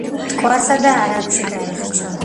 მტკვარსა და არაგვში დაიხრჩო.